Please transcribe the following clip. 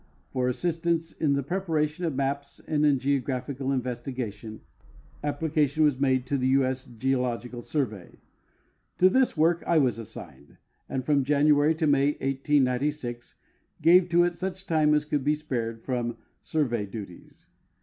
For assistance in the preparation of maps and in geographical in vestigation, application was made to the U. S. Geological Survey. To this work I was assigned, and from January to May, 1896, gave to it such time as could be spared from Survey duties.